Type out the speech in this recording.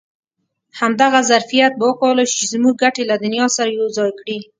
همدغه ظرفیت به وکولای شي چې زموږ ګټې له دنیا سره یو ځای کړي.